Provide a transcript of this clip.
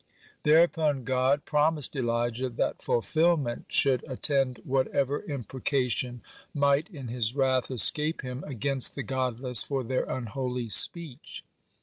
Thereupon God promised Elijah that fulfilment should attend whatever imprecation might in his wrath escape him against the godless for their unholy speech.